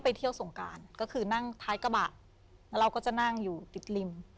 ไปเที่ยวสงการนั่งท้ายกระบะติดริม